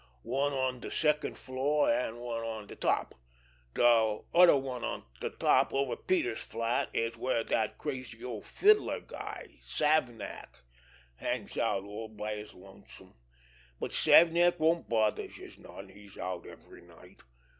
"One on de second floor, an' one on de top. De other one on de top over Peters' flat is where dat crazy old fiddler guy, Savnak, hangs out all by his lonesome. But Savnak won't bother youse none. He's out every night.